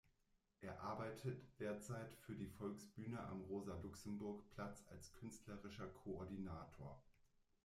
Er arbeitet derzeit für die Volksbühne am Rosa-Luxemburg-Platz als künstlerischer Koordinator.